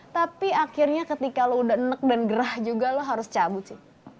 tapi akhirnya ketika lo udah nek dan gerah juga lo harus cabut sih